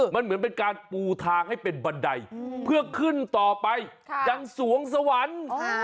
มันเหมือนเป็นการปูทางให้เป็นบันไดเพื่อขึ้นต่อไปยังสวงสวรรค์